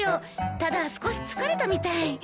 ただ少し疲れたみたい。